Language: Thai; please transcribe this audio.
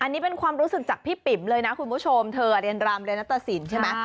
อันนี้เป็นความรู้สึกจากพี่ปิ๋มเลยนะคุณผู้ชมเธอเรียนรำเรียนนัตตสินใช่ไหม